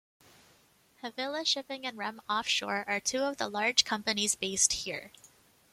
Havila Shipping and Rem Offshore are two of the large companies based here.